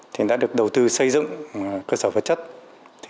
thì đã được đầu tư xây dựng cơ sở vật chất